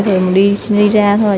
thôi đi ra thôi